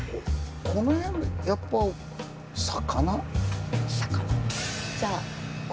この辺やっぱ魚？